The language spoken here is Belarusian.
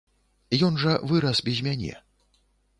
Ён жа вырас без мяне.